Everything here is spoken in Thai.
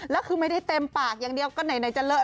แล้วคือไม่ได้เต็มปากอย่างเดียวก็ไหนจะเลอะ